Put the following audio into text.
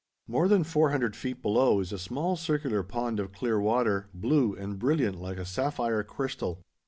More than four hundred feet below is a small circular pond of clear water, blue and brilliant like a sapphire crystal.